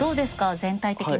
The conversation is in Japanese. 全体的に。